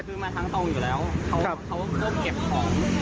คือมาทางตรงอยู่แล้ว